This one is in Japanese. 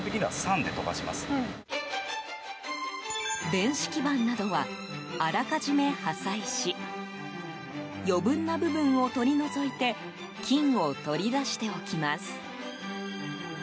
電子基板などはあらかじめ破砕し余分な部分を取り除いて金を取り出しておきます。